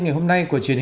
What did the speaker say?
cơn gió dài và gió dài